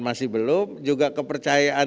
masih belum juga kepercayaan